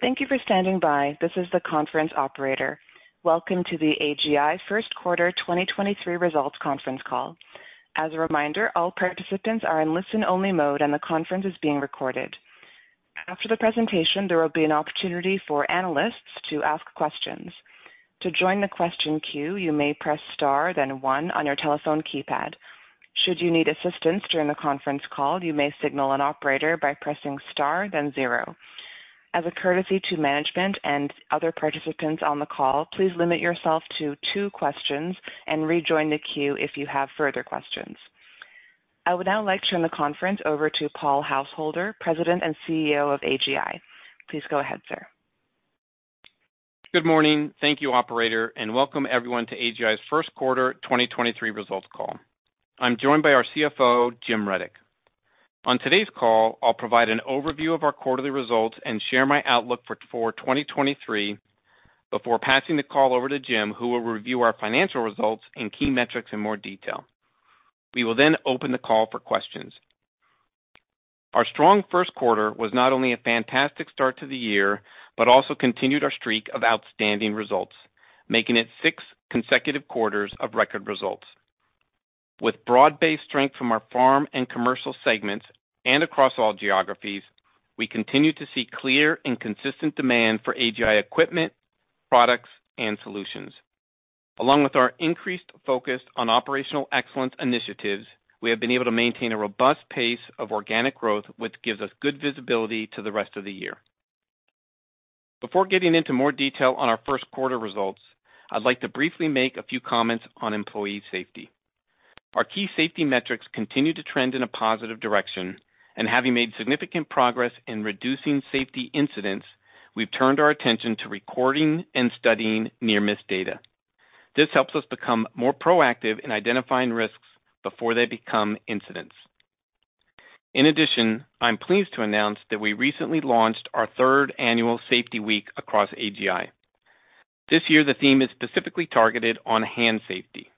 Thank you for standing by. This is the conference operator. Welcome to the AGI Q1 2023 Results Conference Call. As a reminder, all participants are in listen-only mode, and the conference is being recorded. After the presentation, there will be an opportunity for analysts to ask questions. To join the question queue, you may press Star, then one on your telephone keypad. Should you need assistance during the conference call, you may signal an operator by pressing Star, then zero. As a courtesy to management and other participants on the call, please limit yourself to two questions and rejoin the queue if you have further questions. I would now like to turn the conference over to Paul Householder, President and CEO of AGI. Please go ahead, sir. Good morning. Thank you, operator, and welcome everyone to AGI's Q1 2023 results call. I'm joined by our CFO, Jim Rudyk. On today's call, I'll provide an overview of our quarterly results and share my outlook for 2023 before passing the call over to Jim, who will review our financial results and key metrics in more detail. We will open the call for questions. Our strong first quarter was not only a fantastic start to the year but also continued our streak of outstanding results, making it six consecutive quarters of record results. With broad-based strength from our farm and commercial segments and across all geographies, we continue to see clear and consistent demand for AGI equipment, products, and solutions. Along with our increased focus on operational excellence initiatives, we have been able to maintain a robust pace of organic growth, which gives us good visibility to the rest of the year. Before getting into more detail on our Q1 results, I'd like to briefly make a few comments on employee safety. Our key safety metrics continue to trend in a positive direction, and having made significant progress in reducing safety incidents, we've turned our attention to recording and studying near-miss data. This helps us become more proactive in identifying risks before they become incidents. In addition, I'm pleased to announce that we recently launched our third annual Safety Week across AGI. This year, the theme is specifically targeted on hand safety.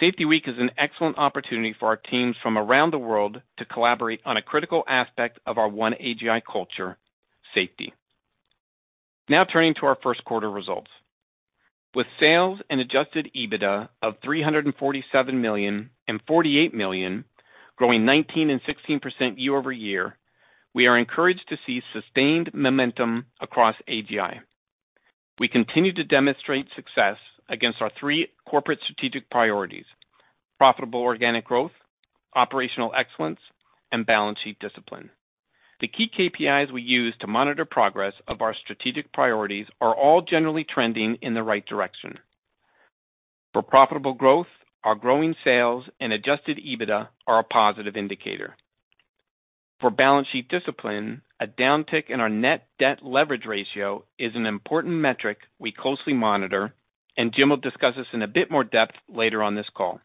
Safety Week is an excellent opportunity for our teams from around the world to collaborate on a critical aspect of our One AGI culture, safety. Turning to our 1Q results. With sales and Adjusted EBITDA of 347 million and 48 million, growing 19% and 16% year-over-year, we are encouraged to see sustained momentum across AGI. We continue to demonstrate success against our three corporate strategic priorities: profitable organic growth, operational excellence, and balance sheet discipline. The key KPIs we use to monitor progress of our strategic priorities are all generally trending in the right direction. For profitable growth, our growing sales and Adjusted EBITDA are a positive indicator. For balance sheet discipline, a downtick in our net debt leverage ratio is an important metric we closely monitor, and Jim will discuss this in a bit more depth later on this call.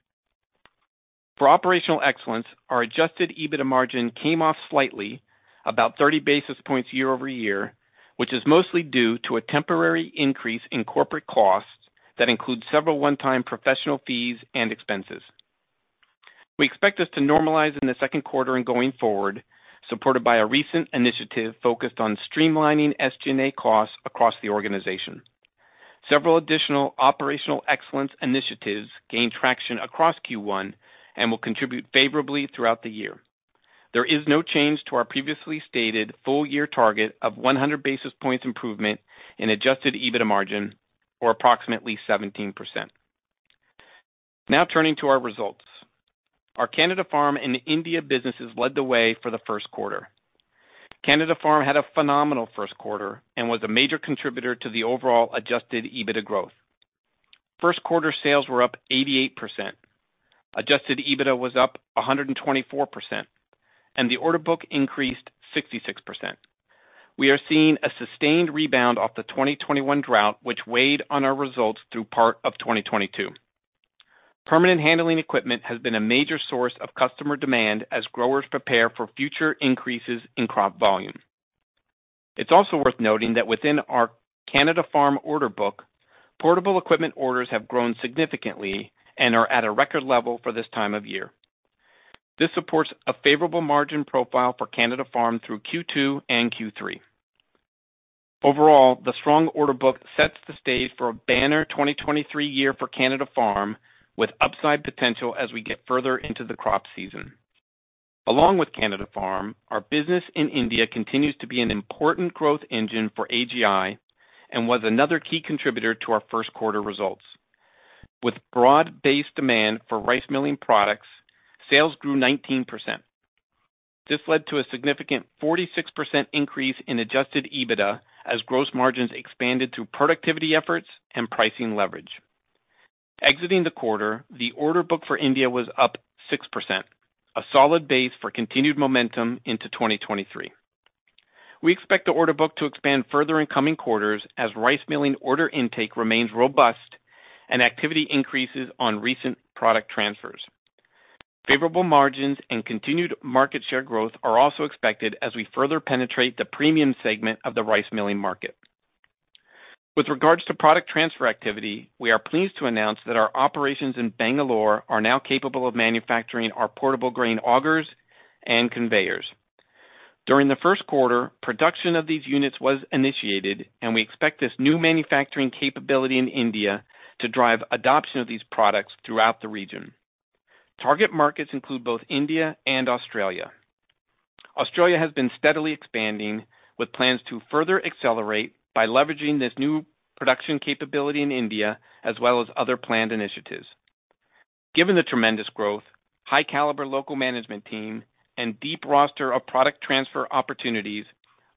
For operational excellence, our Adjusted EBITDA margin came off slightly, about 30 basis points year-over-year, which is mostly due to a temporary increase in corporate costs that include several one-time professional fees and expenses. We expect this to normalize in the Q2 and going forward, supported by a recent initiative focused on streamlining SG&A costs across the organization. Several additional operational excellence initiatives gained traction across Q1 and will contribute favorably throughout the year. There is no change to our previously stated full-year target of 100 basis points improvement in Adjusted EBITDA margin, or approximately 17%. Turning to our results. Our Canada Farm and India businesses led the way for the 1Q. Canada Farm had a phenomenal 1Q and was a major contributor to the overall Adjusted EBITDA growth. 1Q sales were up 88%. Adjusted EBITDA was up 124%, the order book increased 66%. We are seeing a sustained rebound off the 2021 drought, which weighed on our results through part of 2022. Permanent handling equipment has been a major source of customer demand as growers prepare for future increases in crop volume. It's also worth noting that within our Canada Farm order book, portable equipment orders have grown significantly and are at a record level for this time of year. This supports a favorable margin profile for Canada Farm through Q2 and Q3. Overall, the strong order book sets the stage for a banner 2023 year for Canada Farm, with upside potential as we get further into the crop season. Along with Canada Farm, our business in India continues to be an important growth engine for AGI and was another key contributor to our 1Q results. With broad-based demand for rice milling products, sales grew 19%. This led to a significant 46% increase in Adjusted EBITDA as gross margins expanded through productivity efforts and pricing leverage. Exiting the quarter, the order book for India was up 6%, a solid base for continued momentum into 2023. We expect the order book to expand further in coming quarters as rice milling order intake remains robust and activity increases on recent product transfers. Favorable margins and continued market share growth are also expected as we further penetrate the premium segment of the rice milling market. With regards to product transfer activity, we are pleased to announce that our operations in Bangalore are now capable of manufacturing our portable grain augers and conveyors. During the 1Q, production of these units was initiated, and we expect this new manufacturing capability in India to drive adoption of these products throughout the region. Target markets include both India and Australia. Australia has been steadily expanding, with plans to further accelerate by leveraging this new production capability in India as well as other planned initiatives. Given the tremendous growth, high caliber local management team, and deep roster of product transfer opportunities,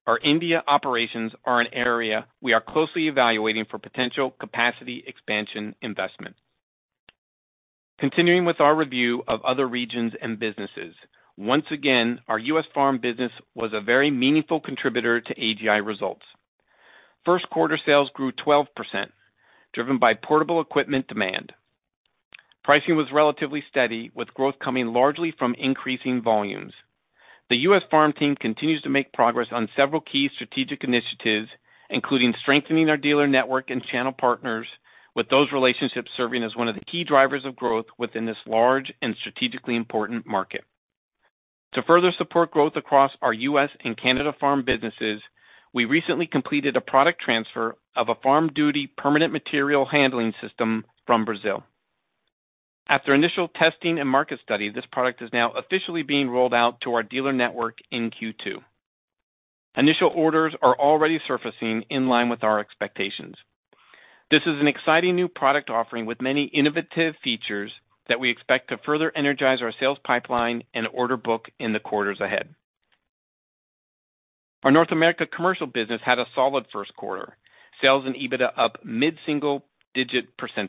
our India operations are an area we are closely evaluating for potential capacity expansion investment. Continuing with our review of other regions and businesses. Once again, our US Farm business was a very meaningful contributor to AGI results. 1Q sales grew 12%, driven by portable equipment demand. Pricing was relatively steady, with growth coming largely from increasing volumes. The US Farm team continues to make progress on several key strategic initiatives, including strengthening our dealer network and channel partners with those relationships serving as one of the key drivers of growth within this large and strategically important market. To further support growth across our US Farm and Canada Farm businesses, we recently completed a product transfer of a farm duty permanent material handling system from Brazil. After initial testing and market study, this product is now officially being rolled out to our dealer network in Q2. Initial orders are already surfacing in line with our expectations. This is an exciting new product offering with many innovative features that we expect to further energize our sales pipeline and order book in the quarters ahead. Our North America Commercial business had a solid 1Q. Sales and EBITDA up mid-single digit %.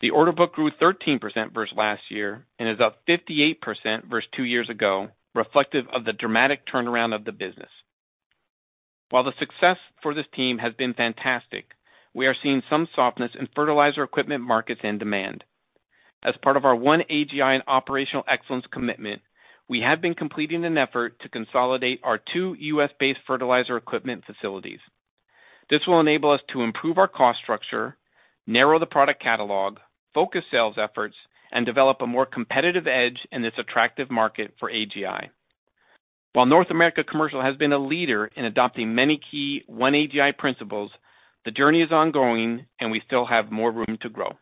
The order book grew 13% versus last year and is up 58% versus two years ago, reflective of the dramatic turnaround of the business. While the success for this team has been fantastic, we are seeing some softness in fertilizer equipment markets and demand. As part of our One AGI and operational excellence commitment, we have been completing an effort to consolidate our 2 U.S.-based fertilizer equipment facilities. This will enable us to improve our cost structure, narrow the product catalog, focus sales efforts, and develop a more competitive edge in this attractive market for AGI. While North America Commercial has been a leader in adopting many key One AGI principles, the journey is ongoing and we still have more room to grow.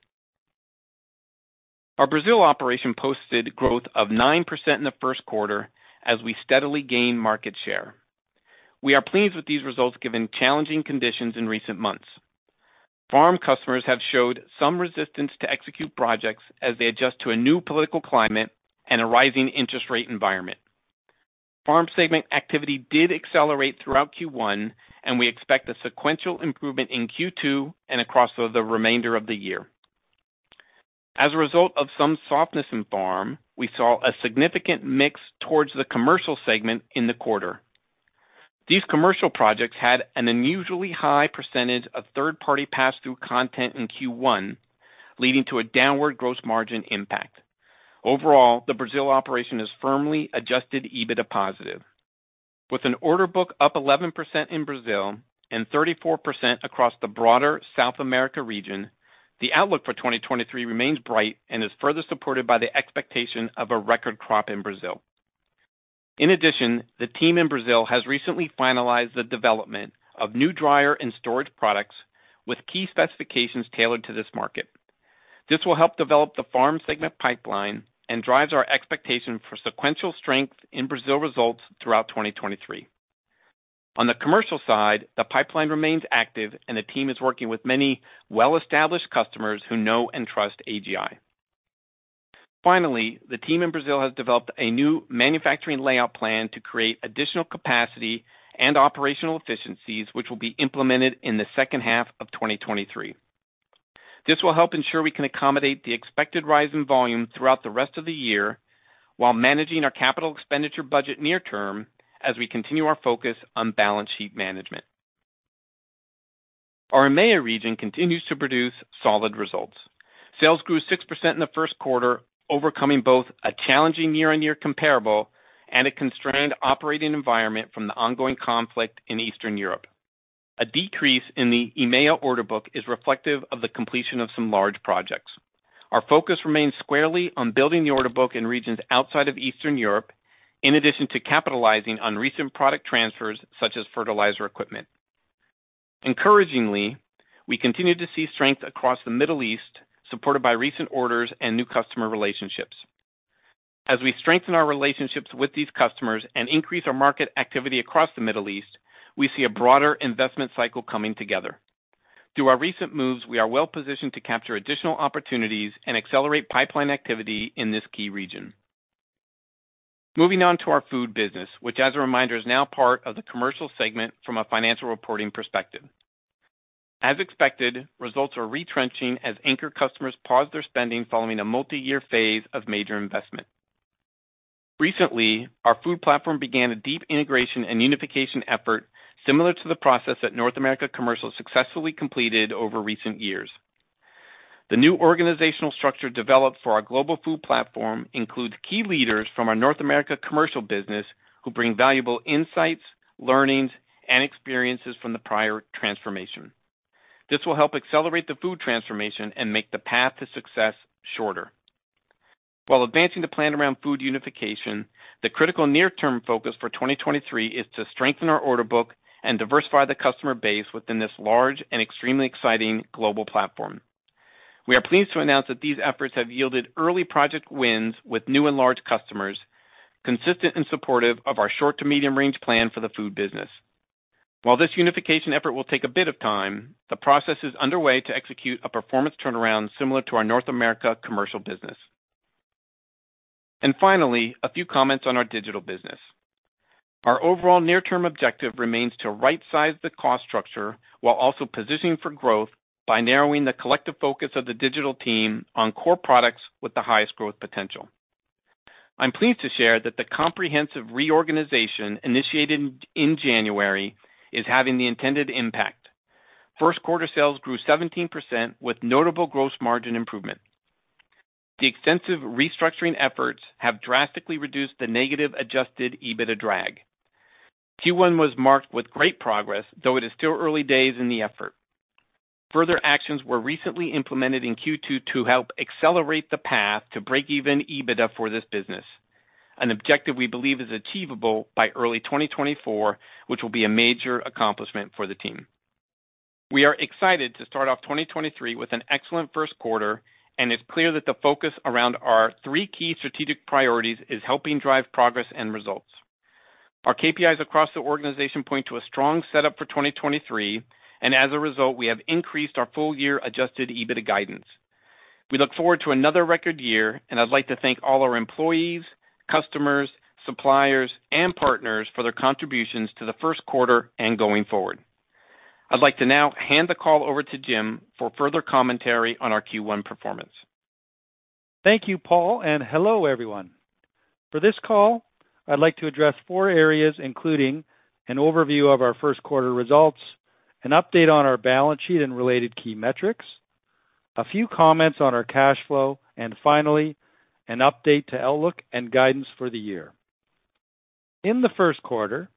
Our Brazil operation posted growth of 9% in the 1st quarter as we steadily gain market share. We are pleased with these results given challenging conditions in recent months. Farm customers have showed some resistance to execute projects as they adjust to a new political climate and a rising interest rate environment. Farm segment activity did accelerate throughout Q1, and we expect a sequential improvement in Q2 and across the remainder of the year. As a result of some softness in farm, we saw a significant mix towards the commercial segment in the quarter. These commercial projects had an unusually high percentage of third-party pass-through content in Q1, leading to a downward gross margin impact. Overall, the Brazil operation is firmly Adjusted EBITDA positive. With an order book up 11% in Brazil and 34% across the broader South America region, the outlook for 2023 remains bright and is further supported by the expectation of a record crop in Brazil. In addition, the team in Brazil has recently finalized the development of new Dryer and storage products with key specifications tailored to this market. This will help develop the farm segment pipeline and drives our expectation for sequential strength in Brazil results throughout 2023. On the commercial side, the pipeline remains active and the team is working with many well-established customers who know and trust AGI. The team in Brazil has developed a new manufacturing layout plan to create additional capacity and operational efficiencies, which will be implemented in the second half of 2023. This will help ensure we can accommodate the expected rise in volume throughout the rest of the year while managing our capital expenditure budget near term as we continue our focus on balance sheet management. Our EMEA region continues to produce solid results. Sales grew 6% in the first quarter, overcoming both a challenging year-over-year comparable and a constrained operating environment from the ongoing conflict in Eastern Europe. A decrease in the EMEA order book is reflective of the completion of some large projects. Our focus remains squarely on building the order book in regions outside of Eastern Europe, in addition to capitalizing on recent product transfers such as fertilizer equipment. Encouragingly, we continue to see strength across the Middle East, supported by recent orders and new customer relationships. As we strengthen our relationships with these customers and increase our market activity across the Middle East, we see a broader investment cycle coming together. Through our recent moves, we are well positioned to capture additional opportunities and accelerate pipeline activity in this key region. Moving on to our food business, which as a reminder, is now part of the Commercial Segment from a financial reporting perspective. As expected, results are retrenching as anchor customers pause their spending following a multi-year phase of major investment. Recently, our food platform began a deep integration and unification effort similar to the process that North America Commercial successfully completed over recent years. The new organizational structure developed for our global food platform includes key leaders from our North America Commercial business who bring valuable insights, learnings, and experiences from the prior transformation. This will help accelerate the food transformation and make the path to success shorter. While advancing the plan around food unification, the critical near-term focus for 2023 is to strengthen our order book and diversify the customer base within this large and extremely exciting global platform. We are pleased to announce that these efforts have yielded early project wins with new and large customers, consistent and supportive of our short to medium range plan for the food business. While this unification effort will take a bit of time, the process is underway to execute a performance turnaround similar to our North America Commercial business. Finally, a few comments on our digital business. Our overall near-term objective remains to right-size the cost structure while also positioning for growth by narrowing the collective focus of the digital team on core products with the highest growth potential. I'm pleased to share that the comprehensive reorganization initiated in January is having the intended impact. 1Q sales grew 17% with notable gross margin improvement. The extensive restructuring efforts have drastically reduced the negative Adjusted EBITDA drag. Q1 was marked with great progress, though it is still early days in the effort. Further actions were recently implemented in Q2 to help accelerate the path to break even EBITDA for this business, an objective we believe is achievable by early 2024, which will be a major accomplishment for the team. We are excited to start off 2023 with an excellent 1Q. It's clear that the focus around our three key strategic priorities is helping drive progress and results. Our KPIs across the organization point to a strong setup for 2023. As a result, we have increased our full year Adjusted EBITDA guidance. We look forward to another record year. I'd like to thank all our employees, customers, suppliers, and partners for their contributions to the 1Q and going forward. I'd like to now hand the call over to Jim for further commentary on our Q1 performance. Thank you, Paul, and hello, everyone. For this call, I'd like to address four areas, including an overview of our 1Q results, an update on our balance sheet and related key metrics, a few comments on our cash flow, and finally, an update to outlook and guidance for the year. In the 1Q,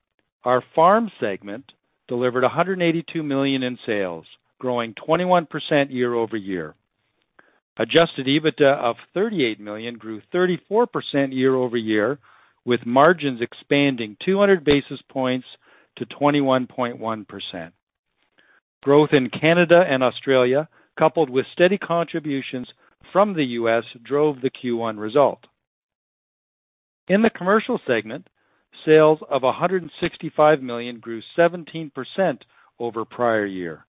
our farm segment delivered 182 million in sales, growing 21% year-over-year. Adjusted EBITDA of 38 million grew 34% year-over-year, with margins expanding 200 basis points to 21.1%. Growth in Canada and Australia, coupled with steady contributions from the US drove the Q1 result. In the commercial segment, sales of 165 million grew 17% over prior year.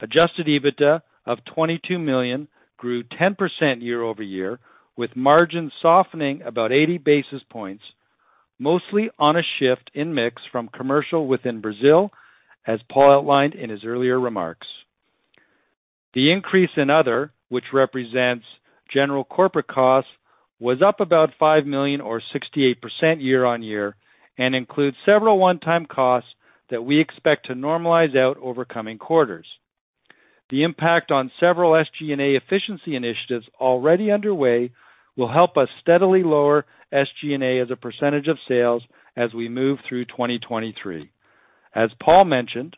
Adjusted EBITDA of 22 million grew 10% year-over-year, with margin softening about 80 basis points, mostly on a shift in mix from commercial within Brazil, as Paul outlined in his earlier remarks. The increase in other, which represents general corporate costs, was up about 5 million or 68% year-on-year and includes several one-time costs that we expect to normalize out over coming quarters. The impact on several SG&A efficiency initiatives already underway will help us steadily lower SG&A as a percentage of sales as we move through 2023. As Paul mentioned,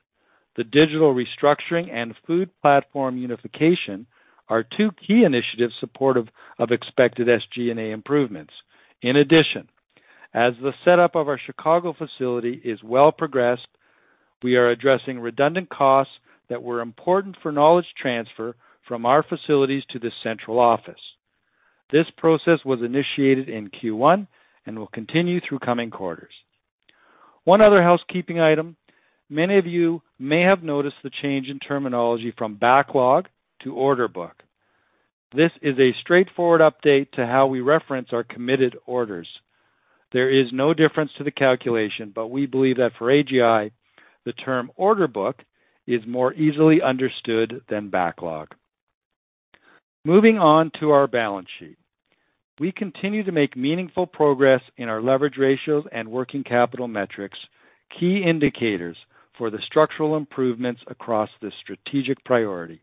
the digital restructuring and food platform unification are two key initiatives supportive of expected SG&A improvements. In addition, as the setup of our Chicago facility is well progressed, we are addressing redundant costs that were important for knowledge transfer from our facilities to the central office. This process was initiated in Q1 and will continue through coming quarters. One other housekeeping item. Many of you may have noticed the change in terminology from backlog to order book. This is a straightforward update to how we reference our committed orders. There is no difference to the calculation, but we believe that for AGI, the term order book is more easily understood than backlog. Moving on to our balance sheet. We continue to make meaningful progress in our leverage ratios and working capital metrics, key indicators for the structural improvements across this strategic priority.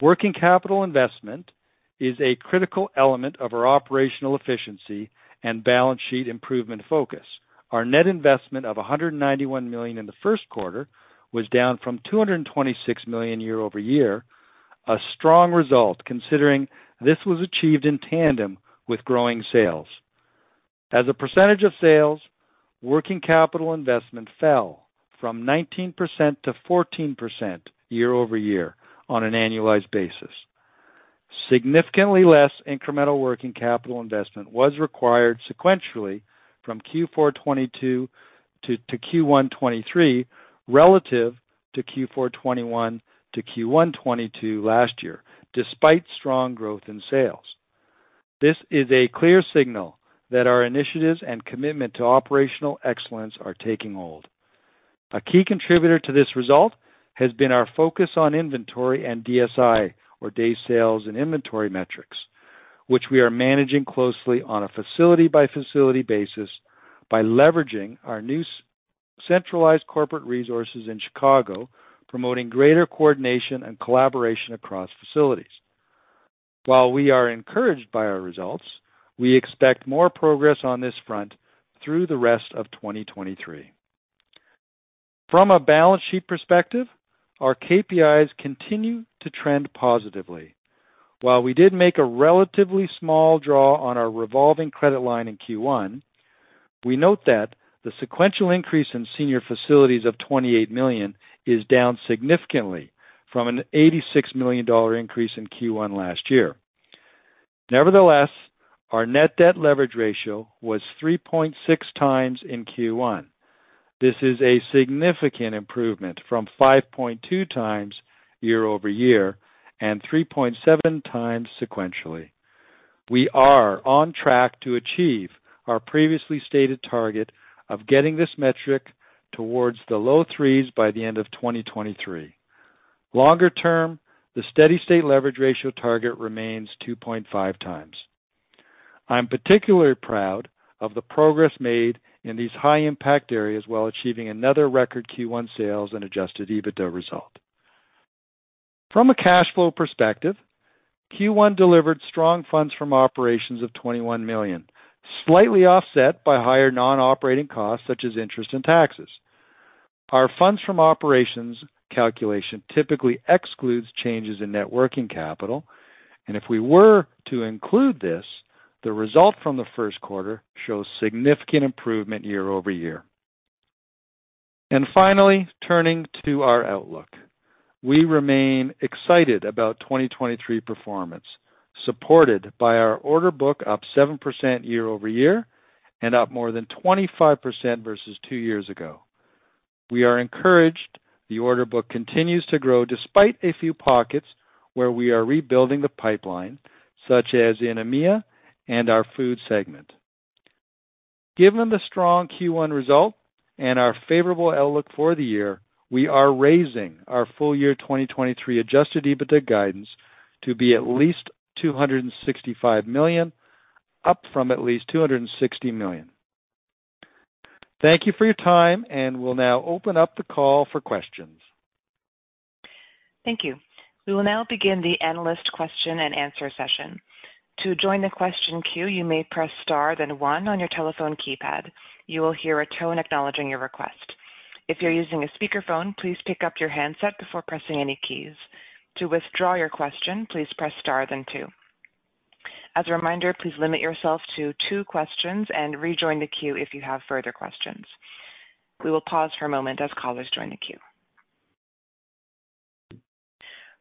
Working capital investment is a critical element of our operational efficiency and balance sheet improvement focus. Our net investment of $191 million in the first quarter was down from $226 million year-over-year, a strong result considering this was achieved in tandem with growing sales. As a percentage of sales, working capital investment fell from 19% to 14% year-over-year on an annualized basis. Significantly less incremental working capital investment was required sequentially from Q4 2022 to Q1 2023 relative to Q4 2021 to Q1 2022 last year, despite strong growth in sales. This is a clear signal that our initiatives and commitment to operational excellence are taking hold. A key contributor to this result has been our focus on inventory and DSI or Days Sales in Inventory metrics. Which we are managing closely on a facility by facility basis by leveraging our new centralized corporate resources in Chicago, promoting greater coordination and collaboration across facilities. While we are encouraged by our results, we expect more progress on this front through the rest of 2023. From a balance sheet perspective, our KPIs continue to trend positively. While we did make a relatively small draw on our revolving credit facility in Q1, we note that the sequential increase in senior credit facilities of $28 million is down significantly from an $86 million increase in Q1 last year. Nevertheless, our net debt leverage ratio was 3.6 times in Q1. This is a significant improvement from 5.2 times year-over-year and 3.7 times sequentially. We are on track to achieve our previously stated target of getting this metric towards the low 3s by the end of 2023. Longer term, the steady-state leverage ratio target remains 2.5 times. I'm particularly proud of the progress made in these high impact areas while achieving another record Q1 sales and Adjusted EBITDA result. From a cash flow perspective, Q1 delivered strong funds from operations of CAD 21 million, slightly offset by higher non-operating costs such as interest and taxes. Our funds from operations calculation typically excludes changes in net working capital. If we were to include this, the result from the first quarter shows significant improvement year-over-year. Finally, turning to our outlook. We remain excited about 2023 performance, supported by our order book up 7% year-over-year and up more than 25% versus two years ago. We are encouraged the order book continues to grow despite a few pockets where we are rebuilding the pipeline, such as in EMEA and our food segment. Given the strong Q1 result and our favorable outlook for the year, we are raising our full year 2023 Adjusted EBITDA guidance to be at least $265 million, up from at least $260 million. Thank you for your time, and we'll now open up the call for questions. Thank you. We will now begin the analyst question and answer session. To join the question queue, you may press Star then one on your telephone keypad. You will hear a tone acknowledging your request. If you're using a speakerphone, please pick up your handset before pressing any keys. To withdraw your question, please press Star then two. As a reminder, please limit yourself to two questions and rejoin the queue if you have further questions. We will pause for a moment as callers join the queue.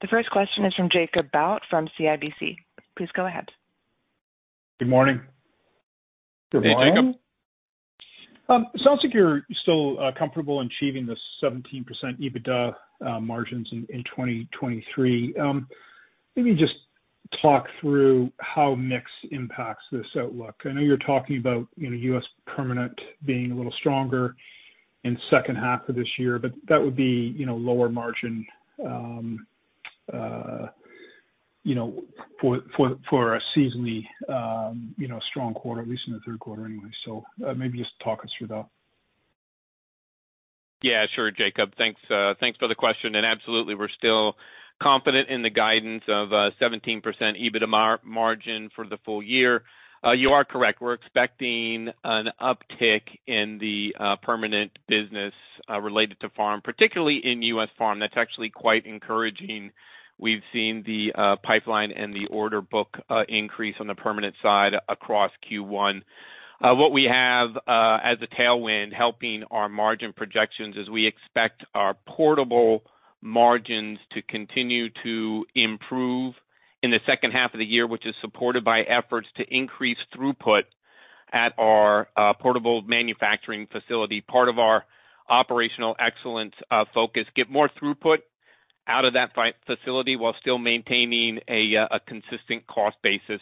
The first question is from Jacob Bout from CIBC. Please go ahead. Good morning. Good morning. Hey, Jacob. Sounds like you're still comfortable in achieving the 17% EBITDA margins in 2023. Maybe just talk through how mix impacts this outlook. I know you're talking about, you know, US permanent being a little stronger in second half of this year, but that would be, you know, lower margin, you know, for a seasonally, you know, strong quarter, at least in the third quarter anyway. Maybe just talk us through that. Yeah, sure, Jacob. Thanks, thanks for the question. Absolutely, we're still confident in the guidance of 17% EBITDA margin for the full year. You are correct. We're expecting an uptick in the permanent business related to farm, particularly in US Farm. That's actually quite encouraging. We've seen the pipeline and the order book increase on the permanent side across Q1. What we have as a tailwind helping our margin projections is we expect our portable margins to continue to improve in the second half of the year, which is supported by efforts to increase throughput at our portable manufacturing facility. Part of our operational excellence focus, get more throughput out of that facility while still maintaining a consistent cost basis.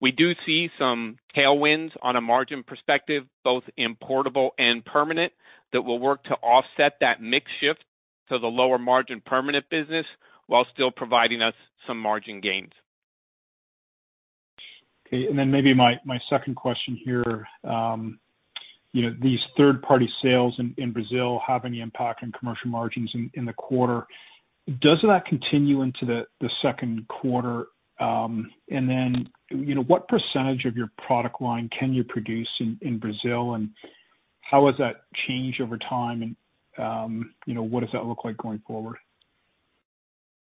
We do see some tailwinds on a margin perspective, both in portable and permanent, that will work to offset that mix shift to the lower margin permanent business while still providing us some margin gains. Okay. Maybe my second question here. You know, these third-party sales in Brazil have any impact on commercial margins in the quarter? Does that continue into the second quarter? You know, what percentage of your product line can you produce in Brazil, and how has that changed over time? You know, what does that look like going forward?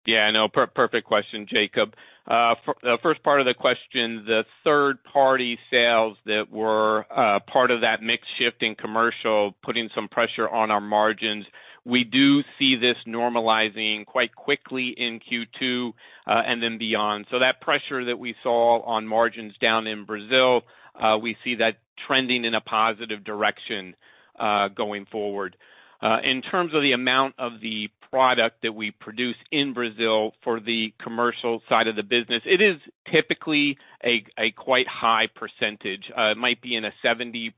Yeah, I know. Perfect question, Jacob. The first part of the question, the third-party sales that were part of that mix shift in commercial, putting some pressure on our margins. We do see this normalizing quite quickly in Q2 and then beyond. That pressure that we saw on margins down in Brazil, we see that trending in a positive direction going forward. In terms of the amount of the product that we produce in Brazil for the commercial side of the business, it is typically a quite high percentage. It might be in a 70%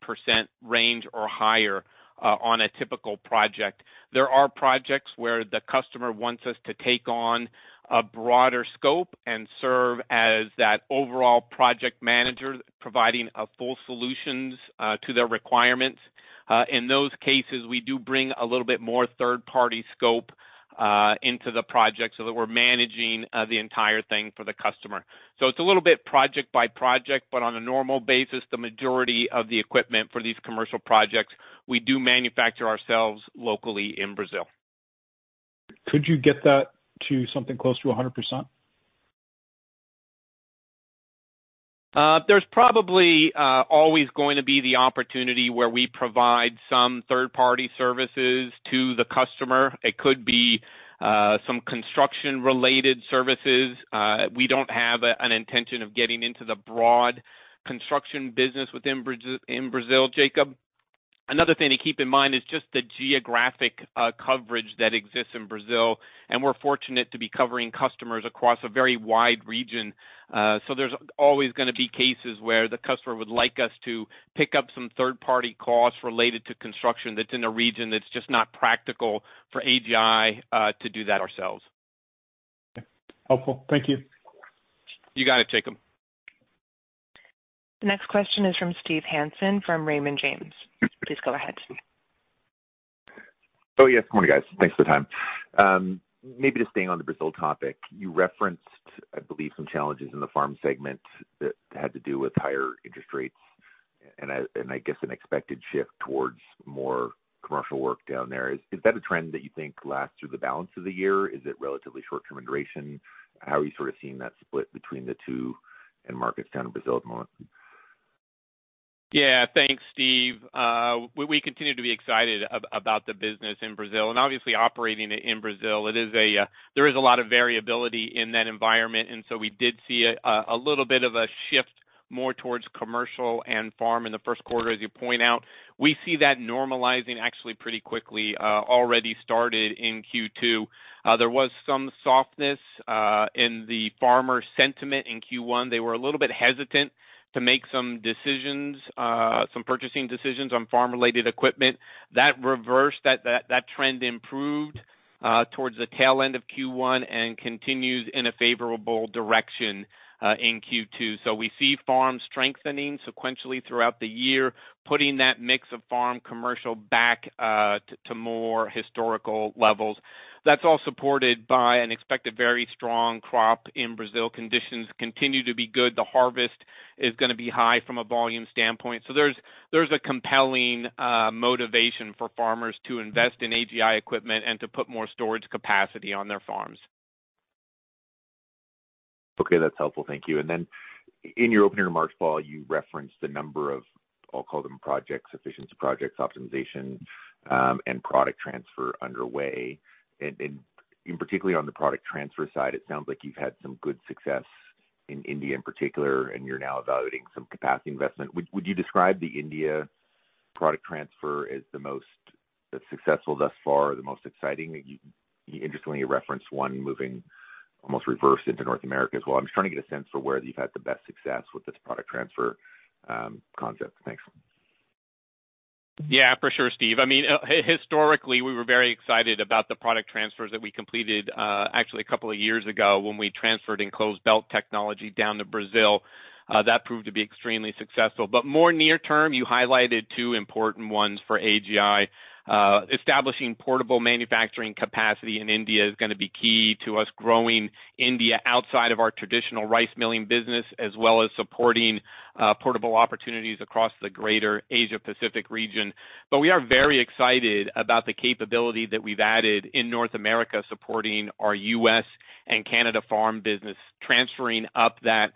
range or higher on a typical project. There are projects where the customer wants us to take on a broader scope and serve as that overall project manager, providing a full solutions to their requirements. In those cases, we do bring a little bit more third-party scope into the project so that we're managing the entire thing for the customer. It's a little bit project by project, but on a normal basis, the majority of the equipment for these commercial projects, we do manufacture ourselves locally in Brazil. Could you get that to something close to 100%? There's probably always going to be the opportunity where we provide some third-party services to the customer. It could be some construction-related services. We don't have an intention of getting into the broad construction business in Brazil, Jacob. Another thing to keep in mind is just the geographic coverage that exists in Brazil, and we're fortunate to be covering customers across a very wide region. There's always gonna be cases where the customer would like us to pick up some third-party costs related to construction that's in a region that's just not practical for AGI to do that ourselves. Okay. Helpful. Thank you. You got it, Jacob. The next question is from Steve Hansen from Raymond James. Please go ahead. Oh, yes. Good morning, guys. Thanks for the time. maybe just staying on the Brazil topic, you referenced, I believe, some challenges in the farm segment that had to do with higher interest rates and I guess an expected shift towards more commercial work down there. Is that a trend that you think lasts through the balance of the year? Is it relatively short-term in duration? How are you sort of seeing that split between the two in markets down in Brazil at the moment? Thanks, Steve. We continue to be excited about the business in Brazil. Obviously operating in Brazil, it is a, there is a lot of variability in that environment, we did see a little bit of a shift more towards commercial and farm in the first quarter, as you point out. We see that normalizing actually pretty quickly, already started in Q2. There was some softness in the farmer sentiment in Q1. They were a little bit hesitant to make some decisions, some purchasing decisions on farm-related equipment. That reversed. That trend improved towards the tail end of Q1 and continues in a favorable direction in Q2. We see farms strengthening sequentially throughout the year, putting that mix of farm commercial back to more historical levels. That's all supported by an expected very strong crop in Brazil. Conditions continue to be good. The harvest is gonna be high from a volume standpoint. There's a compelling motivation for farmers to invest in AGI equipment and to put more storage capacity on their farms. Okay. That's helpful. Thank you. Then in your opening remarks, Paul, you referenced the number of, I'll call them projects, efficiency projects, optimization, and product transfer underway. Particularly on the product transfer side, it sounds like you've had some good success in India in particular, and you're now evaluating some capacity investment. Would you describe the India product transfer as the most successful thus far or the most exciting? You interestingly referenced one moving almost reverse into North America as well. I'm just trying to get a sense for where you've had the best success with this product transfer concept. Thanks. For sure, Steve. I mean, historically, we were very excited about the product transfers that we completed, actually a couple of years ago when we transferred enclosed belt technology down to Brazil. That proved to be extremely successful. More near term, you highlighted two important ones for AGI. Establishing portable manufacturing capacity in India is gonna be key to us growing India outside of our traditional rice milling business, as well as supporting portable opportunities across the greater Asia-Pacific region. We are very excited about the capability that we've added in North America, supporting our US Farm and Canada Farm business, transferring up that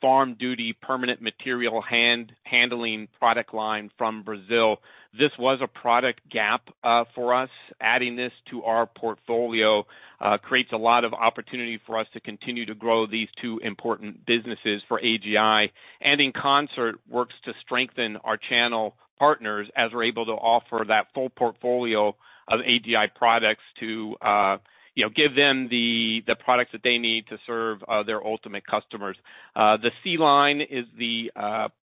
farm duty permanent material handling product line from Brazil. This was a product gap for us. Adding this to our portfolio, creates a lot of opportunity for us to continue to grow these two important businesses for AGI and in concert, works to strengthen our channel partners as we're able to offer that full portfolio of AGI products to, you know, give them the products that they need to serve their ultimate customers. The C-Line is the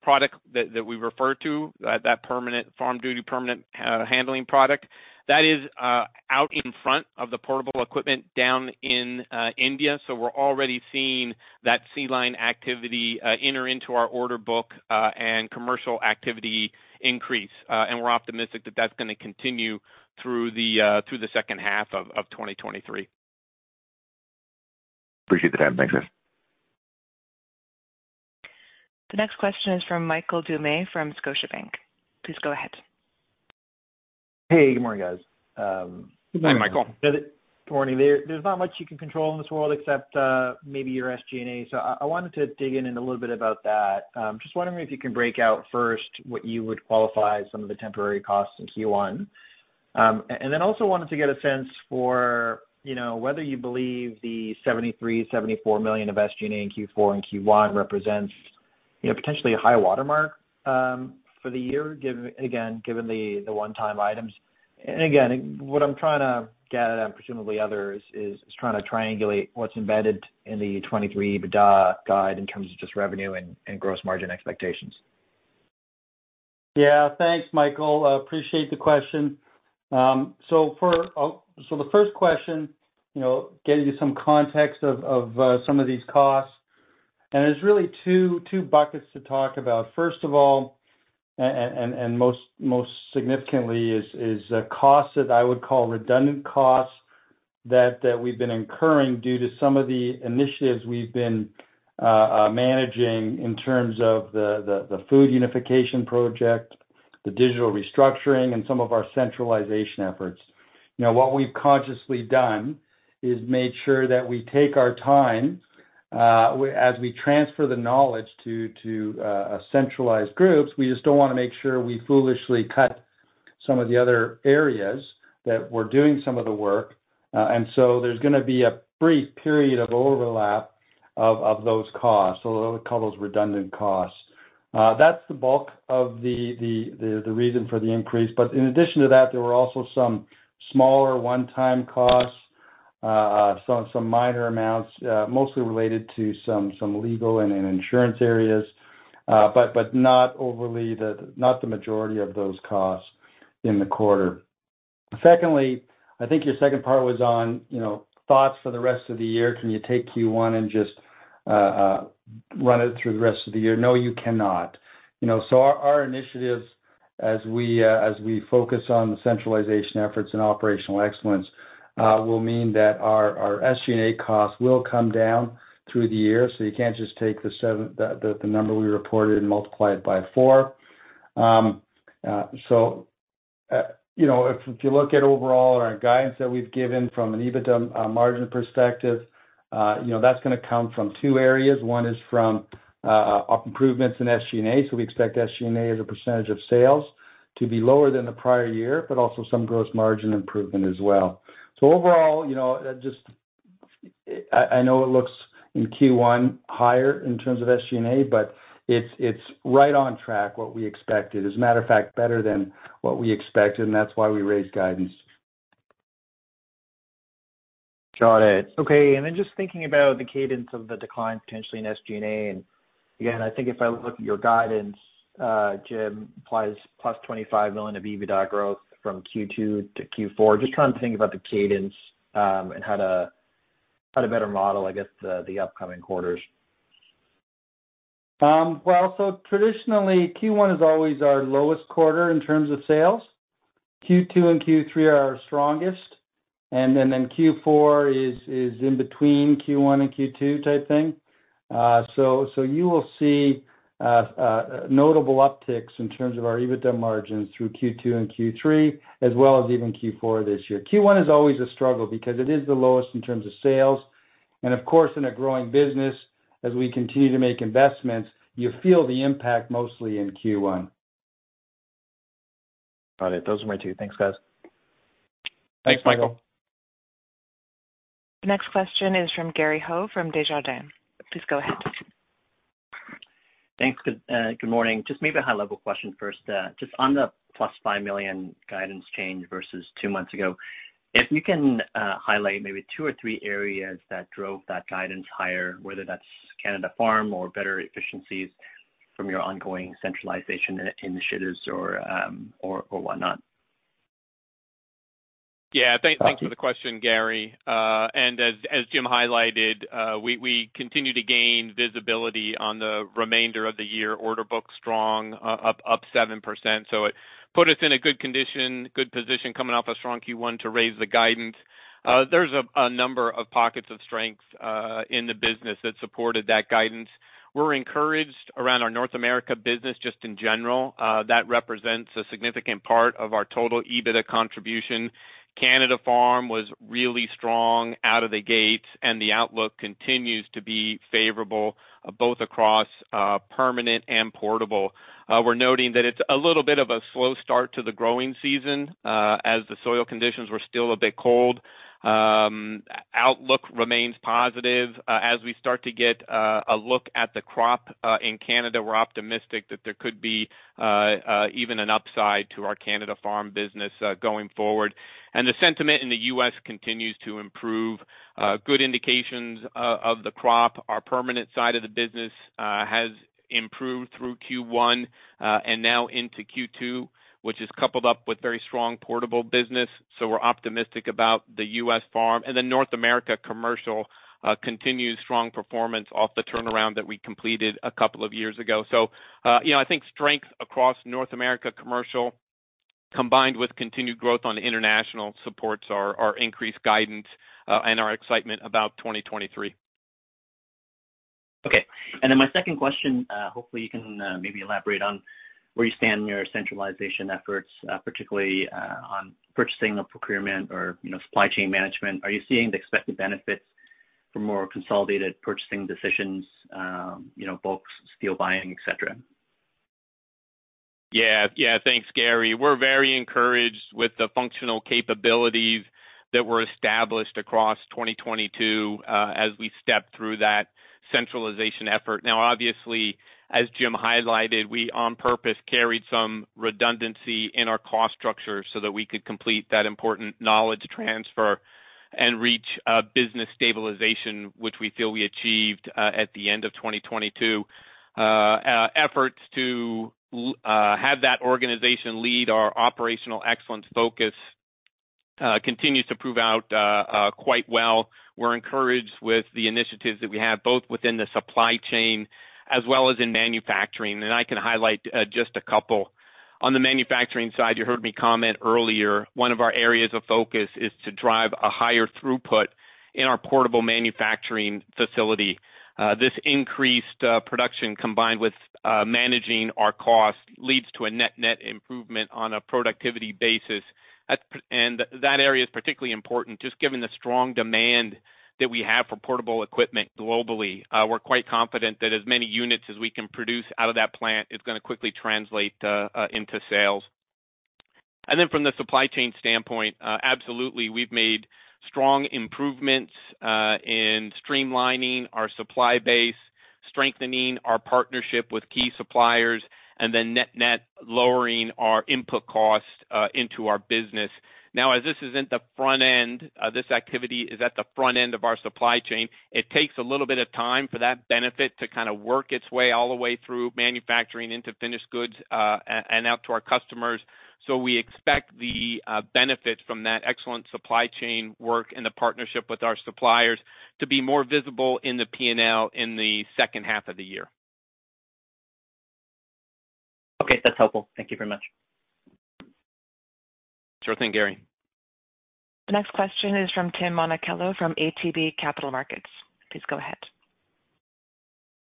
product that we refer to, that permanent farm duty permanent handling product. That is out in front of the portable equipment down in India, so we're already seeing that C-Line activity enter into our order book and commercial activity increase. We're optimistic that that's gonna continue through the second half of 2023. Appreciate the time. Thanks, man. The next question is from Michael Doumet from Scotiabank. Please go ahead. Hey, good morning, guys. Good morning, Michael. Good morning. There's not much you can control in this world except maybe your SG&A, so I wanted to dig in a little bit about that. Just wondering if you can break out first what you would qualify some of the temporary costs in Q1. Also wanted to get a sense for, you know, whether you believe the 73 million-74 million of SG&A in Q4 and Q1 represents, you know, potentially a high watermark for the year, given the one-time items. What I'm trying to get at, and presumably others, is trying to triangulate what's embedded in the 2023 EBITDA guide in terms of just revenue and gross margin expectations. Yeah. Thanks, Michael. Appreciate the question. The first question, you know, getting you some context of some of these costs. There's really two buckets to talk about. First of all, and most significantly is costs that I would call redundant costs that we've been incurring due to some of the initiatives we've been managing in terms of the food unification project, the digital restructuring, and some of our centralization efforts. What we've consciously done is made sure that we take our time as we transfer the knowledge to centralized groups. We just don't want to make sure we foolishly cut some of the other areas that we're doing some of the work. There's gonna be a brief period of overlap of those costs. I'll call those redundant costs. That's the bulk of the reason for the increase. In addition to that, there were also some smaller one-time costs, some minor amounts, mostly related to some legal and insurance areas, but not the majority of those costs in the quarter. Secondly, I think your second part was on, you know, thoughts for the rest of the year. Can you take Q1 and just run it through the rest of the year? No, you cannot. You know, our initiatives as we focus on the centralization efforts and operational excellence, will mean that our SG&A costs will come down through the year. You can't just take the number we reported and multiply it by four. You know, if you look at overall our guidance that we've given from an EBITDA margin perspective, you know, that's gonna come from two areas. One is from improvements in SG&A. We expect SG&A as a percentage of sales to be lower than the prior year, but also some gross margin improvement as well. Overall, you know, just I know it looks in Q1 higher in terms of SG&A, but it's right on track what we expected. As a matter of fact, better than what we expected, and that's why we raised guidance. Got it. Okay. Just thinking about the cadence of the decline potentially in SG&A. Again, I think if I look at your guidance, Jim, implies +25 million of EBITDA growth from Q2 to Q4. Just trying to think about the cadence, and how to better model, I guess, the upcoming quarters. Well, traditionally, Q1 is always our lowest quarter in terms of sales. Q2 and Q3 are our strongest, Q4 is in between Q1 and Q2 type thing. You will see notable upticks in terms of our EBITDA margins through Q2 and Q3, as well as even Q4 this year. Q1 is always a struggle because it is the lowest in terms of sales. Of course, in a growing business, as we continue to make investments, you feel the impact mostly in Q1. Got it. Those are my two. Thanks, guys. Thanks, Michael. Next question is from Gary Ho from Desjardins. Please go ahead. Thanks. Good morning. Just maybe a high-level question first. Just on the plus five million guidance change versus two months ago, if you can highlight maybe two or three areas that drove that guidance higher, whether that's Canada Farm or better efficiencies from your ongoing centralization initiatives or, whatnot? Thanks for the question, Gary. As Jim highlighted, we continue to gain visibility on the remainder of the year order book strong up 7%. It put us in a good condition, good position coming off a strong Q1 to raise the guidance. There's a number of pockets of strength in the business that supported that guidance. We're encouraged around our North America business just in general. That represents a significant part of our total EBITDA contribution. Canada Farm was really strong out of the gates, and the outlook continues to be favorable both across permanent and portable. We're noting that it's a little bit of a slow start to the growing season as the soil conditions were still a bit cold. Outlook remains positive. As we start to get a look at the crop in Canada, we're optimistic that there could be even an upside to our Canada Farm business going forward. The sentiment in the US continues to improve, good indications of the crop. Our permanent side of the business has improved through Q1 and now into Q2, which is coupled up with very strong portable business. We're optimistic about the US Farm. North America Commercial continues strong performance off the turnaround that we completed a couple of years ago. You know, I think strength across North America Commercial, combined with continued growth on international supports our increased guidance and our excitement about 2023. Okay. My second question, hopefully you can maybe elaborate on where you stand in your centralization efforts, particularly on purchasing or procurement or, you know, supply chain management. Are you seeing the expected benefits for more consolidated purchasing decisions, you know, books, steel buying, et cetera? Yeah, yeah. Thanks, Gary. We're very encouraged with the functional capabilities that were established across 2022 as we step through that centralization effort. Obviously, as Jim highlighted, we on purpose carried some redundancy in our cost structure so that we could complete that important knowledge transfer and reach business stabilization, which we feel we achieved at the end of 2022. Efforts to have that organization lead our operational excellence focus continues to prove out quite well. We're encouraged with the initiatives that we have, both within the supply chain as well as in manufacturing. I can highlight just a couple. On the manufacturing side, you heard me comment earlier, one of our areas of focus is to drive a higher throughput in our portable manufacturing facility. This increased production combined with managing our costs leads to a net-net improvement on a productivity basis. That area is particularly important just given the strong demand that we have for portable equipment globally. We're quite confident that as many units as we can produce out of that plant is gonna quickly translate into sales. From the supply chain standpoint, absolutely, we've made strong improvements in streamlining our supply base, strengthening our partnership with key suppliers, and then net-net lowering our input costs into our business. As this is at the front end, this activity is at the front end of our supply chain, it takes a little bit of time for that benefit to kinda work its way all the way through manufacturing into finished goods, and out to our customers. We expect the benefits from that excellent supply chain work and the partnership with our suppliers to be more visible in the P&L in the second half of the year. Okay. That's helpful. Thank you very much. Sure thing, Gary. The next question is from Tim Monachello from ATB Capital Markets. Please go ahead.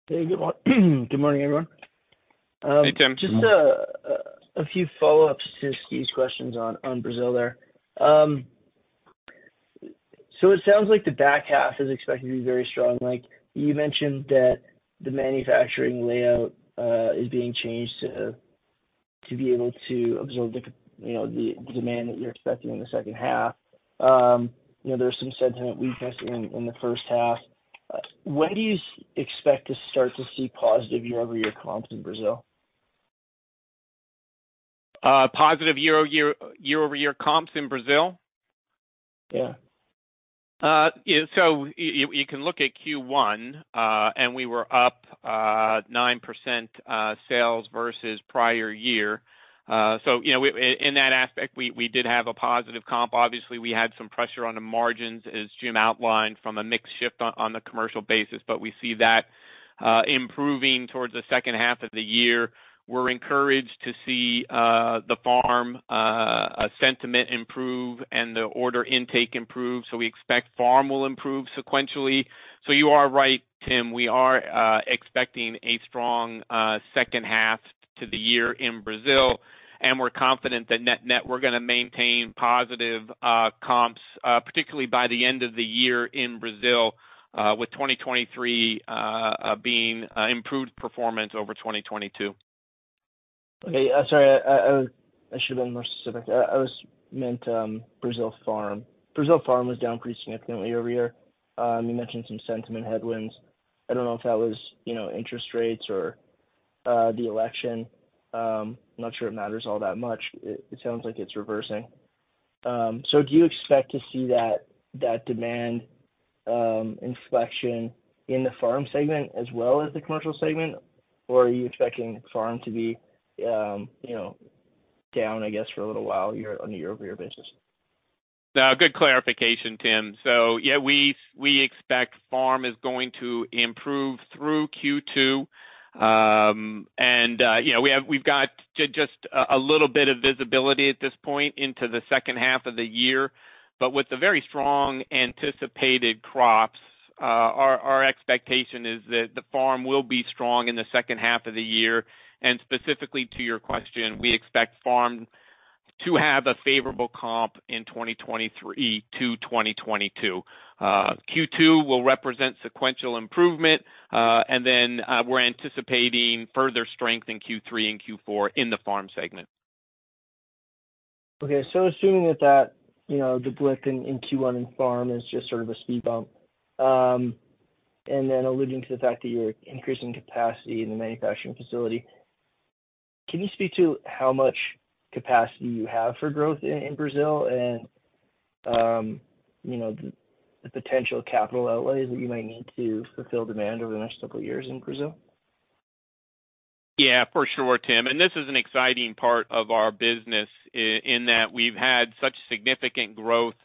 Hey, good morning, everyone. Hey, Tim. Just a few follow-ups to Steve's questions on Brazil there. It sounds like the back half is expected to be very strong. Like, you mentioned that the manufacturing layout is being changed to be able to absorb the, you know, the demand that you're expecting in the second half. You know, there's some sentiment weakness in the first half. When do you expect to start to see positive year-over-year comps in Brazil? Positive year-over-year comps in Brazil? Yeah. Yeah. You can look at Q1, we were up 9% sales versus prior year. You know, in that aspect, we did have a positive comp. Obviously, we had some pressure on the margins, as Jim outlined, from a mix shift on the commercial basis. We see that improving towards the second half of the year. We're encouraged to see the farm sentiment improve and the order intake improve. We expect farm will improve sequentially. You are right, Tim. We are expecting a strong second half to the year in Brazil, and we're confident that net-net, we're gonna maintain positive comps, particularly by the end of the year in Brazil, with 2023 being improved performance over 2022. Sorry, I should have been more specific. I meant Brazil Farm. Brazil Farm was down pretty significantly over year. You mentioned some sentiment headwinds. I don't know if that was, you know, interest rates or the election. I'm not sure it matters all that much. It sounds like it's reversing. Do you expect to see that demand inflection in the Farm segment as well as the Commercial segment? Or are you expecting Farm to be, you know, down, I guess, for a little while on a year-over-year basis? No, good clarification, Tim Monachello. Yeah, we expect farm is going to improve through Q2. You know, we've got just a little bit of visibility at this point into the second half of the year. With the very strong anticipated crops, our expectation is that the farm will be strong in the second half of the year. Specifically to your question, we expect farm to have a favorable comp in 2023 to 2022. Q2 will represent sequential improvement, then, we're anticipating further strength in Q3 and Q4 in the farm segment. Okay. Assuming that, you know, the blip in Q1 in farm is just sort of a speed bump, and then alluding to the fact that you're increasing capacity in the manufacturing facility, can you speak to how much capacity you have for growth in Brazil and, you know, the potential capital outlays that you might need to fulfill demand over the next couple of years in Brazil? Yeah, for sure, Tim. This is an exciting part of our business in that we've had such significant growth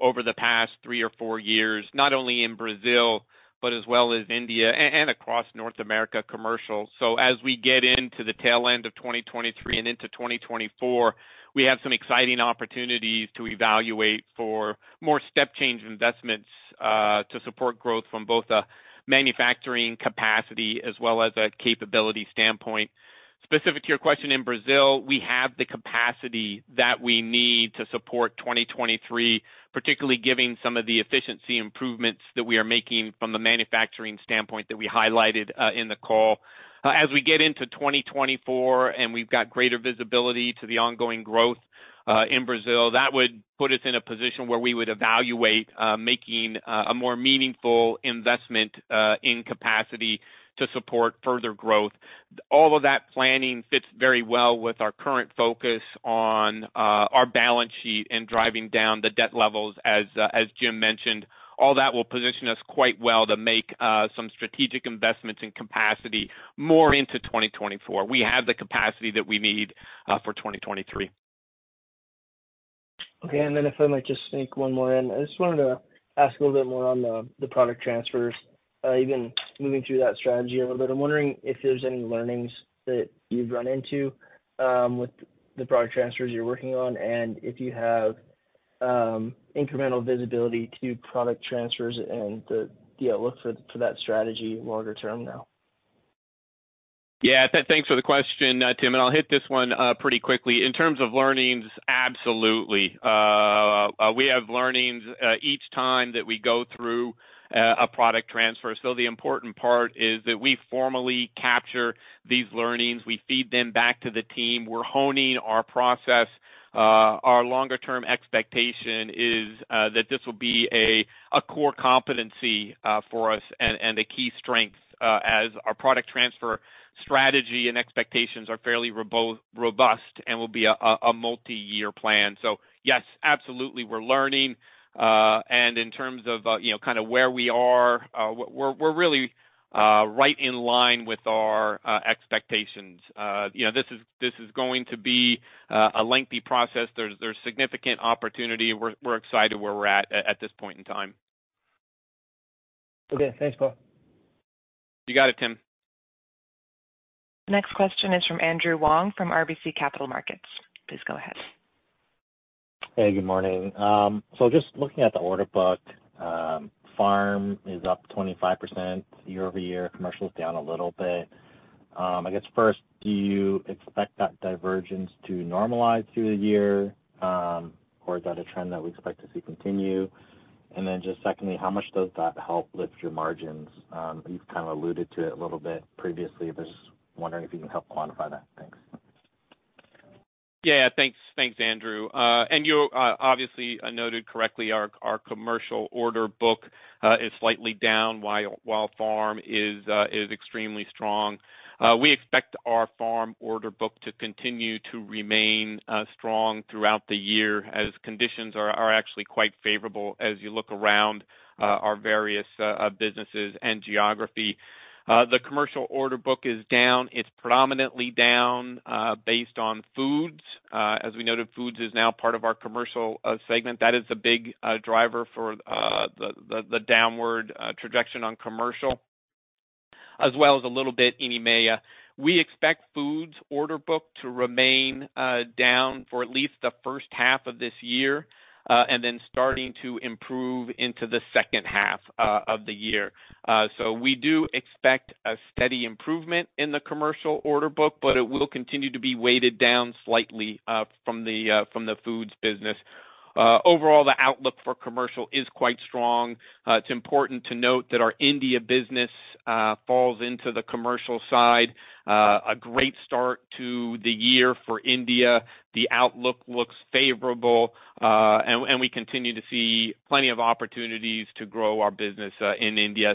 over the past three or four years, not only in Brazil, but as well as India and across North America Commercial. As we get into the tail end of 2023 and into 2024, we have some exciting opportunities to evaluate for more step change investments to support growth from both a manufacturing capacity as well as a capability standpoint. Specific to your question, in Brazil, we have the capacity that we need to support 2023, particularly giving some of the efficiency improvements that we are making from the manufacturing standpoint that we highlighted in the call. As we get into 2024 and we've got greater visibility to the ongoing growth in Brazil, that would put us in a position where we would evaluate making a more meaningful investment in capacity to support further growth. All of that planning fits very well with our current focus on our balance sheet and driving down the debt levels, as Jim mentioned. All that will position us quite well to make some strategic investments in capacity more into 2024. We have the capacity that we need for 2023. Okay. Then if I might just sneak one more in. I just wanted to ask a little bit more on the product transfers. You've been moving through that strategy a little bit. I'm wondering if there's any learnings that you've run into with the product transfers you're working on, and if you have incremental visibility to product transfers and the outlook for that strategy longer term now? Yeah. Thanks for the question, Tim. I'll hit this one pretty quickly. In terms of learnings, absolutely. We have learnings each time that we go through a product transfer. The important part is that we formally capture these learnings. We feed them back to the team. We're honing our process. Our longer term expectation is that this will be a core competency for us and a key strength as our product transfer strategy and expectations are fairly robust and will be a multi-year plan. Yes, absolutely, we're learning. In terms of, you know, kind of where we are, we're really right in line with our expectations. You know, this is going to be a lengthy process. There's significant opportunity. We're excited where we're at this point in time. Okay. Thanks, Paul. You got it, Tim. Next question is from Andrew Wong from RBC Capital Markets. Please go ahead. Hey, good morning. Just looking at the order book, farm is up 25% year-over-year, commercial is down a little bit. I guess first, do you expect that divergence to normalize through the year, or is that a trend that we expect to see continue? Just secondly, how much does that help lift your margins? You've kind of alluded to it a little bit previously. Just wondering if you can help quantify that. Thanks. Thanks. Thanks, Andrew. You obviously noted correctly our commercial order book is slightly down while farm is extremely strong. We expect our farm order book to continue to remain strong throughout the year as conditions are actually quite favorable as you look around our various businesses and geography. The commercial order book is down. It's predominantly down based on foods. As we noted, foods is now part of our commercial segment. That is a big driver for the downward trajectory on commercial as well as a little bit in EMEA. We expect foods order book to remain down for at least the first half of this year and then starting to improve into the second half of the year. We do expect a steady improvement in the commercial order book, but it will continue to be weighted down slightly from the foods business. Overall, the outlook for commercial is quite strong. It's important to note that our India business falls into the commercial side. A great start to the year for India. The outlook looks favorable, and we continue to see plenty of opportunities to grow our business in India.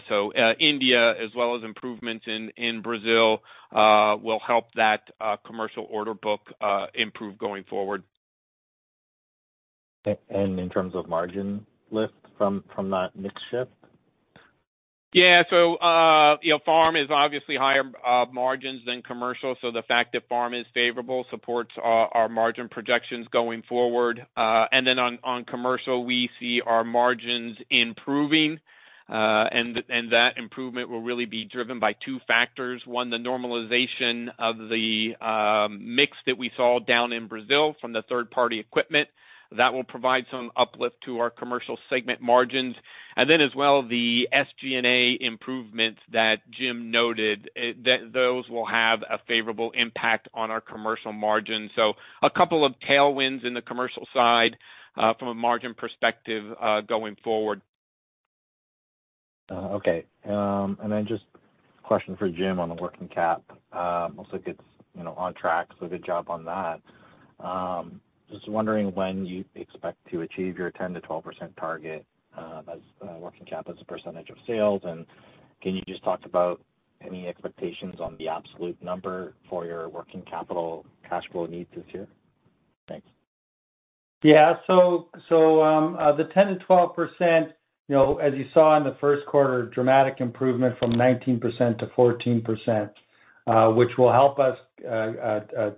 India as well as improvements in Brazil will help that commercial order book improve going forward. In terms of margin lift from that mix shift? You know, Farm is obviously higher margins than Commercial, so the fact that Farm is favorable supports our margin projections going forward. On Commercial, we see our margins improving, and that improvement will really be driven by two factors. One, the normalization of the mix that we saw down in Brazil from the third-party equipment. That will provide some uplift to our Commercial segment margins. As well, the SG&A improvements that Jim noted, that those will have a favorable impact on our Commercial margin. A couple of tailwinds in the Commercial side, from a margin perspective, going forward. Okay. Then just a question for Jim on the working cap. Looks like it's, you know, on track, so good job on that. Just wondering when you expect to achieve your 10%-12% target as working cap as a percentage of sales. Can you just talk about any expectations on the absolute number for your working capital cash flow needs this year? Thanks. Yeah. The 10%-12%, you know, as you saw in the 1Q dramatic improvement from 19% to 14%, which will help us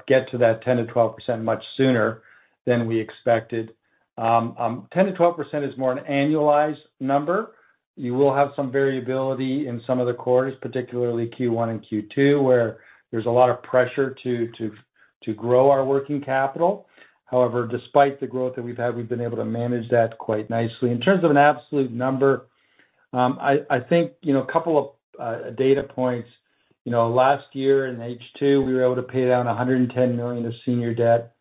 get to that 10%-12% much sooner than we expected. The 10%-12% is more an annualized number. You will have some variability in some of the quarters, particularly Q1 and Q2, where there's a lot of pressure to grow our working capital. Despite the growth that we've had, we've been able to manage that quite nicely. In terms of an absolute number, I think, you know, a couple of data points. You know, last year in H2, we were able to pay down $110 million of senior debt.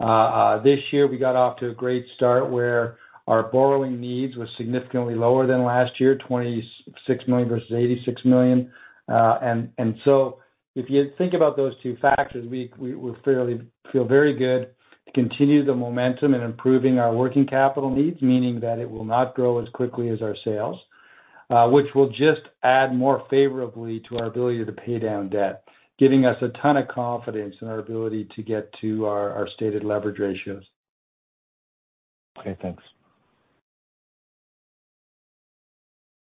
This year, we got off to a great start where our borrowing needs were significantly lower than last year, 26 million versus 86 million. If you think about those two factors, we feel very good to continue the momentum in improving our working capital needs, meaning that it will not grow as quickly as our sales, which will just add more favorably to our ability to pay down debt, giving us a ton of confidence in our ability to get to our stated leverage ratios. Okay, thanks.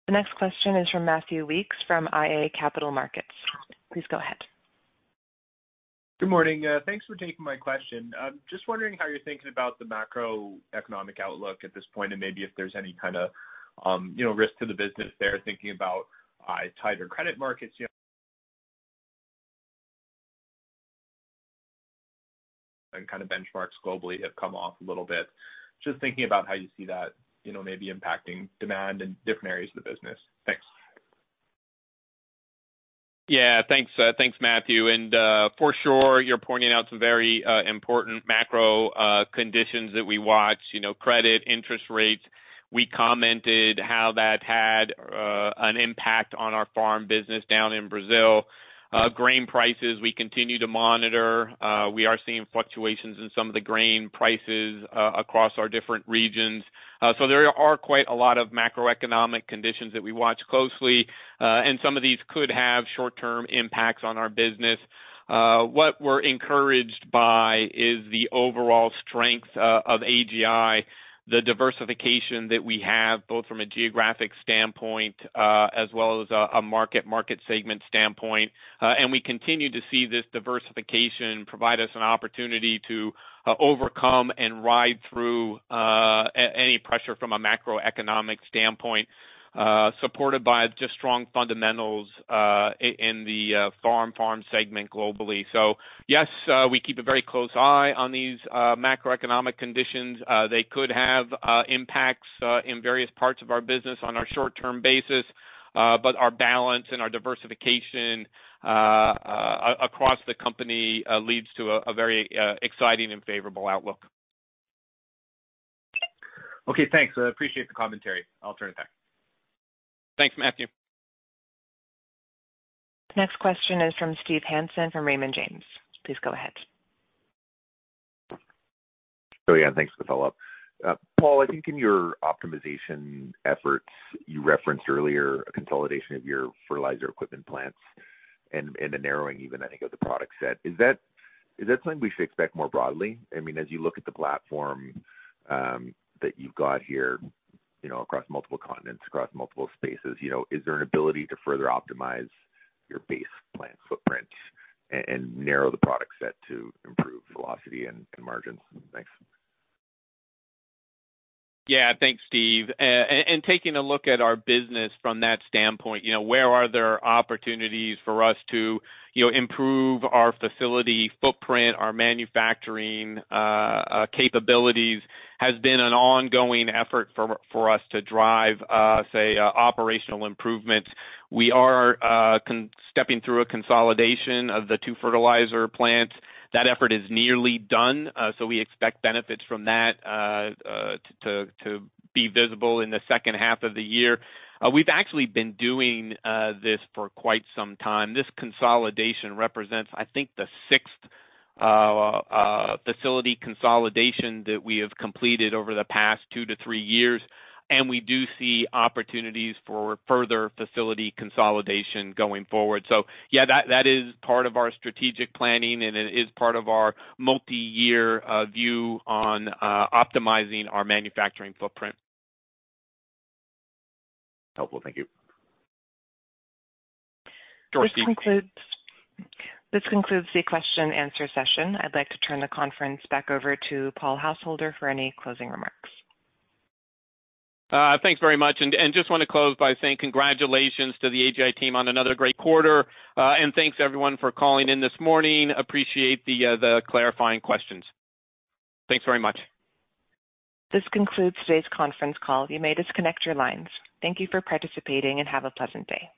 The next question is from Matthew Weekes from iA Capital Markets. Please go ahead. Good morning. Thanks for taking my question. Just wondering how you're thinking about the macroeconomic outlook at this point, and maybe if there's any kind of, you know, risk to the business there, thinking about tighter credit markets, you know. Kind of benchmarks globally have come off a little bit. Just thinking about how you see that, you know, maybe impacting demand in different areas of the business? Thanks. Yeah. Thanks, thanks, Matthew. For sure, you're pointing out some very important macro conditions that we watch, you know, credit, interest rates. We commented how that had an impact on our farm business down in Brazil. Grain prices, we continue to monitor. We are seeing fluctuations in some of the grain prices across our different regions. So there are quite a lot of macroeconomic conditions that we watch closely, and some of these could have short-term impacts on our business. What we're encouraged by is the overall strength of AGI, the diversification that we have, both from a geographic standpoint, as well as a market segment standpoint. We continue to see this diversification provide us an opportunity to overcome and ride through any pressure from a macroeconomic standpoint, supported by just strong fundamentals in the farm segment globally. Yes, we keep a very close eye on these macroeconomic conditions. They could have impacts in various parts of our business on a short-term basis, but our balance and our diversification across the company, leads to a very exciting and favorable outlook. Okay, thanks. Appreciate the commentary. I'll turn it back. Thanks, Matthew. Next question is from Steve Hansen from Raymond James. Please go ahead. Yeah, thanks for the follow-up. Paul, I think in your optimization efforts, you referenced earlier a consolidation of your fertilizer equipment plants and a narrowing even I think of the product set. Is that something we should expect more broadly? I mean, as you look at the platform, that you've got here, you know, across multiple continents, across multiple spaces, you know, is there an ability to further optimize your base plant footprint and narrow the product set to improve velocity and margins? Thanks. Thanks, Steve. Taking a look at our business from that standpoint, you know, where are there opportunities for us to, you know, improve our facility footprint, our manufacturing capabilities, has been an ongoing effort for us to drive operational improvements. We are stepping through a consolidation of the two fertilizer plants. That effort is nearly done. We expect benefits from that to be visible in the second half of the year. We've actually been doing this for quite some time. This consolidation represents, I think, the sixth facility consolidation that we have completed over the past two -three years. We do see opportunities for further facility consolidation going forward. Yeah, that is part of our strategic planning, and it is part of our multiyear view on optimizing our manufacturing footprint. Helpful. Thank you. Dorothy- This concludes the question and answer session. I'd like to turn the conference back over to Paul Householder for any closing remarks. Thanks very much. Just wanna close by saying congratulations to the AGI team on another great quarter. Thanks, everyone, for calling in this morning. Appreciate the clarifying questions. Thanks very much. This concludes today's conference call. You may disconnect your lines. Thank you for participating, and have a pleasant day.